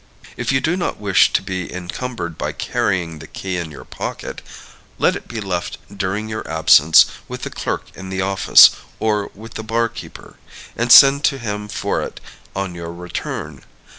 If you do not wish to be encumbered by carrying the key in your pocket, let it be left during your absence with the clerk in the office, or with the barkeeper; and send to him for it on your return.